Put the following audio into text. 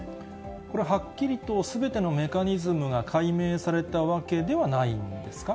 これ、はっきりとすべてのメカニズムが解明されたわけではないんですか？